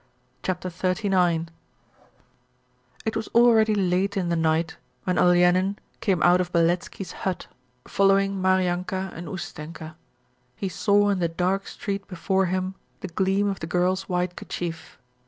Chapter XXXIX It was already late in the night when Olenin came out of Beletski's hut following Maryanka and Ustenka. He saw in the dark street before him the gleam of the girl's white kerchief.